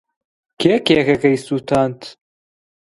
کێ کێکەکەی سووتاند؟